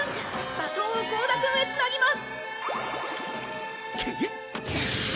バトンを剛田くんへつなぎます！